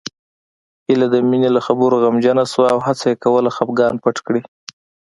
هيله د مينې له خبرو غمجنه شوه او هڅه يې کوله خپګان پټ کړي